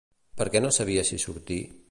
Per què no sabia si sortir?